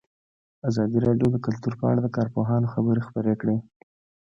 ازادي راډیو د کلتور په اړه د کارپوهانو خبرې خپرې کړي.